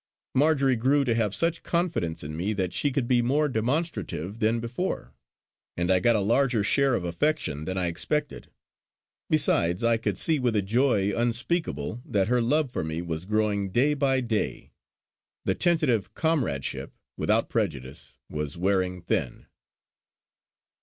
Marjory grew to have such confidence in me that she could be more demonstrative than before, and I got a larger share of affection than I expected. Besides I could see with a joy unspeakable that her love for me was growing day by day; the tentative comradeship without prejudice was wearing thin!